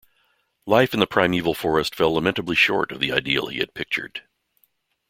Life in the primeval forest fell lamentably short of the ideal he had pictured.